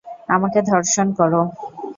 আমাকে ধর্ষণ করো।